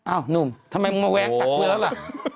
อ้าวหนุ่มทำไมมันแว้งตัดเบื้อแล้วล่ะ